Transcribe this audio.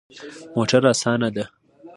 موټر اسانه ده